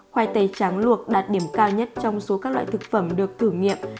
khoai tây tráng luộc đạt điểm cao nhất trong số các loại thực phẩm được thử nghiệm